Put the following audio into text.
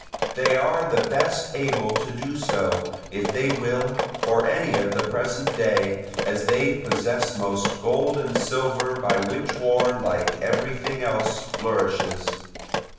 They are the best able to do so, if they will, of any of the present day, as they possess most gold and silver, by which war, like everything else, flourishes.